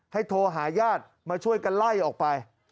โทรหาญาติมาช่วยกันไล่ออกไป